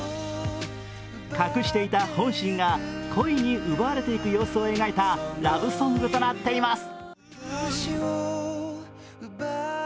隠していた本心が恋に奪われていく様子を描いたラブソングとなっています。